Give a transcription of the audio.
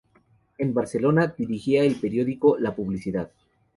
En Barcelona dirigiría el periódico "La Publicidad".